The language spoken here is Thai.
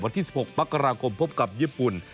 วันที่๑๖มกราคมพบกับญี่ปุ่น